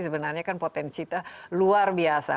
sebenarnya kan potensi kita luar biasa